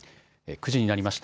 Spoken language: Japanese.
９時になりました。